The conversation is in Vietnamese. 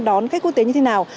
đón khách quốc tế như thế nào